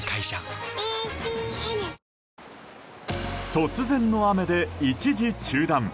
突然の雨で一時中断。